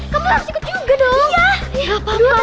kamu harus ikut juga dong ya